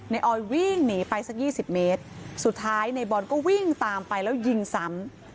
นายออยวิ่งหนีไปสัก๒๐เมตรสุดท้ายนายบอลก็วิ่งตามไปแล้วยิงซ้ำ